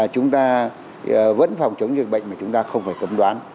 chúng ta vẫn phòng chống dịch bệnh mà chúng ta không phải cấm đoán